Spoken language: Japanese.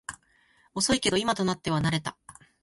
遅いけど今となっては慣れた